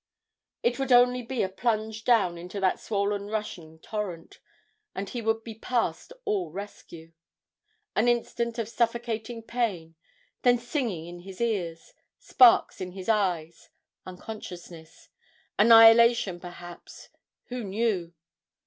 It would only be a plunge down into that swollen rushing torrent, and he would be past all rescue. An instant of suffocating pain, then singing in his ears, sparks in his eyes, unconsciousness annihilation perhaps who knew?